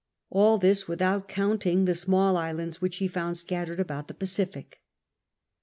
All this, without counting the small islands which he found scattered about the Pacific.